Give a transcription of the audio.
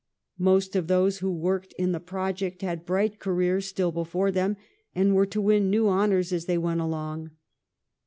Most of those who worked in the project had bright careers still before them and were to win new honours as they went along.